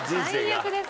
最悪です。